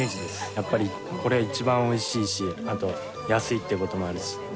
やっぱりこれ一番おいしいし、あと安いってこともあるし。